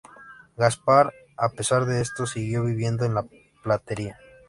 Gaspar, a pesar de esto, siguió viviendo en la platería.